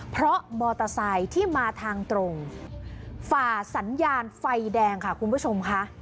เพราะมอเตอร์ไซค์ที่มาทางตรงฝ่าสัญญาณไฟแดงค่ะคุณผู้ชมค่ะ